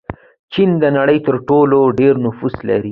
چین د نړۍ تر ټولو ډېر نفوس لري.